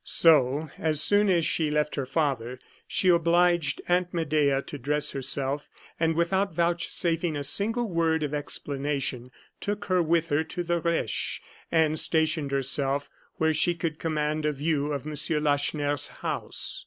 So, as soon as she left her father, she obliged Aunt Medea to dress herself, and without vouchsafing a single word of explanation, took her with her to the Reche, and stationed herself where she could command a view of M. Lacheneur's house.